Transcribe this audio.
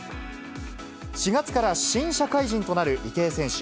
４月から新社会人となる池江選手。